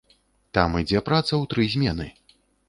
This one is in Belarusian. Там ідзе праца ў тры змены.